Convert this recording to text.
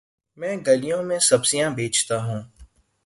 میں گلیوں میں سبزیاں بیچتا ہوں